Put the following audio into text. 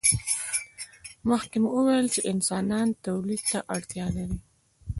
مخکې مو وویل چې انسانان تولید ته اړتیا لري.